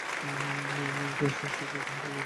আমি সুপসের সাথে বিছানায় ঘুমাই।